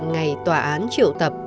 ngày tòa án triệu tập